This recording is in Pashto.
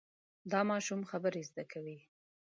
دا ماشوم خبرې زده کوي.